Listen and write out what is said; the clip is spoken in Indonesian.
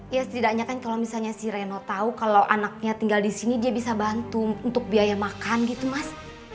ya setidaknya kan kalau misalnya si reno tahu kalau anaknya tinggal di sini dia bisa bantu untuk biaya makan gitu mas